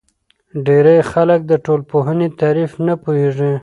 ډېری خلک د ټولنپوهنې تعریف نه پوهیږي.